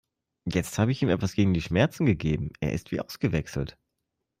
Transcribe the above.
Jetzt habe ich ihm etwas gegen die Schmerzen gegeben, er ist wie ausgewechselt.